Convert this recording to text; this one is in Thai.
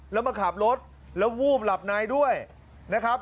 แล้วมาขับรถแล้ววูบหลับในด้วยนะครับ